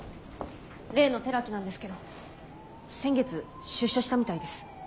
例の寺木なんですけど先月出所したみたいです。